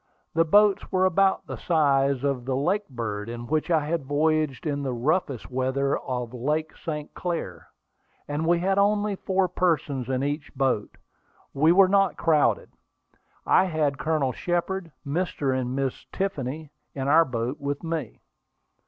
The boats were about the size of the Lakebird, in which I had voyaged in the roughest weather of Lake St. Clair; and as we had only four persons in each boat, we were not crowded. I had Colonel Shepard, Mr. and Miss Tiffany in the boat with me.